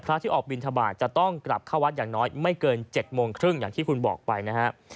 ที่ออกบินทบาทจะต้องกลับเข้าวัดอย่างน้อยไม่เกิน๗โมงครึ่งอย่างที่คุณบอกไปนะฮะ